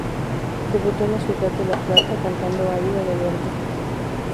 Debutó en la ciudad de La Plata, cantando Aída de Verdi.